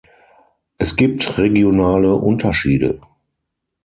Es gibt regionale Unterschiede.